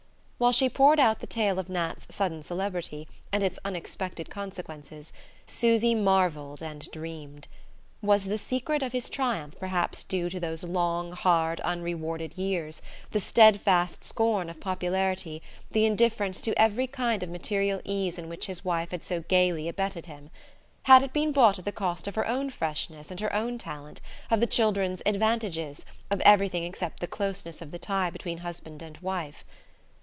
While she poured out the tale of Nat's sudden celebrity, and its unexpected consequences, Susy marvelled and dreamed. Was the secret of his triumph perhaps due to those long hard unrewarded years, the steadfast scorn of popularity, the indifference to every kind of material ease in which his wife had so gaily abetted him? Had it been bought at the cost of her own freshness and her own talent, of the children's "advantages," of everything except the closeness of the tie between husband and wife?